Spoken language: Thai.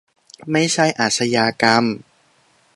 ไม่ใช่อาชญากรรม